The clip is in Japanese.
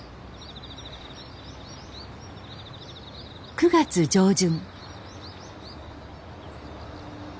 ９月上旬。